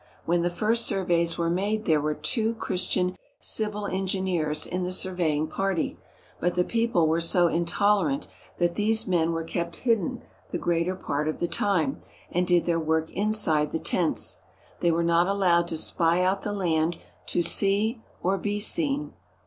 When the first surveys were made there were two Chris tian civil engineers in the surveying party, but the people were so intolerant that these men were kept hidden the greater part of the time and did their work inside the tents. They were not allowed to spy out the land, to see, or be seen.